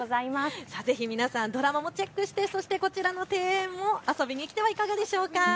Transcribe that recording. ぜひ皆さんドラマをチェックしてそしてこちらの庭園にも遊びに来てはいかがでしょうか。